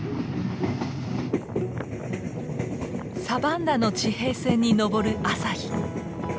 サバンナの地平線に昇る朝日。